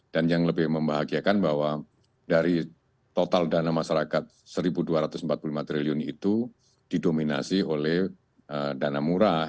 dan yang lebih membahagiakan bahwa dari total dana masyarakat rp satu dua ratus empat puluh lima triliun itu didominasi oleh dana murah